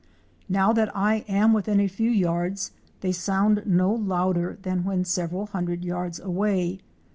Now that I am within a few yards, they sound no louder than when sev eral hundred yards away.